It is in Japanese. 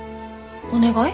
お願い？